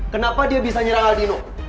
kenapa dia bisa nyerang aldino